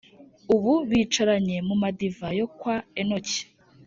Ubu bicaranye mu madiva yo kwa enoki